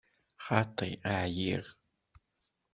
Xaṭi, εyiɣ.